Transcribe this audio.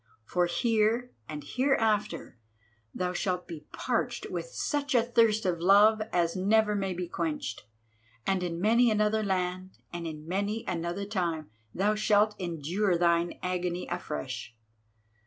For here, and hereafter, thou shalt be parched with such a thirst of love as never may be quenched, and in many another land, and in many another time, thou shalt endure thine agony afresh.